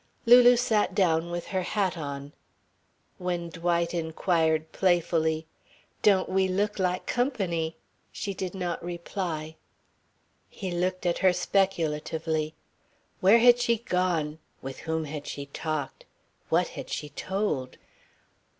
Lulu sat down with her hat on. When Dwight inquired playfully, "Don't we look like company?" she did not reply. He looked at her speculatively. Where had she gone, with whom had she talked, what had she told?